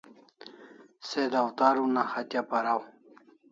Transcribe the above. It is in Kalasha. Se dawtar una hatya paraw